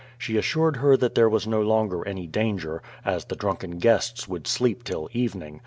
She assured her that there was no longer any danger, as the drunken guests would sleep till evening.